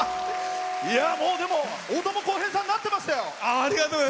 でも、大友康平さんになってましたよ。